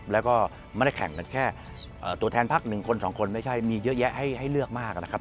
แล้วก็ไม่ได้แข่งเป็นแค่ตัวแทนพักหนึ่งคนสองคนไม่ใช่มีเยอะแยะให้เลือกมากนะครับ